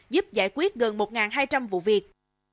giúp giải quyết gần một hai trăm linh vụ việc